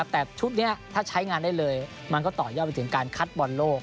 แต่ชุดนี้ถ้าใช้งานได้เลยมันก็ต่อยอดไปถึงการคัดบอลโลก